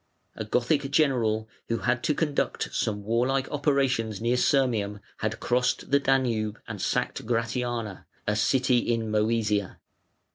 A Gothic general who had to conduct some warlike operations near Sirmium had crossed the Danube and sacked Gratiana, a city in Mœsia.